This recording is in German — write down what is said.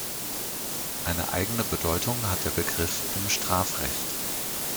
Eine eigene Bedeutung hat der Begriff im Strafrecht.